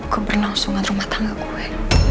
kebernausungan rumah tangga gue